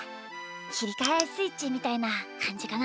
きりかえスイッチみたいなかんじかな。